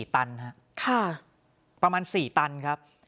ตันครับประมาณ๔ตันครับ